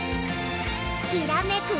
きらめく